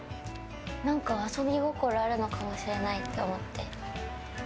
何か遊び心あるのかもしれないと思って。